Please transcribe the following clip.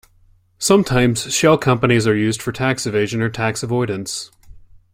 Sometimes, shell companies are used for tax evasion or tax avoidance.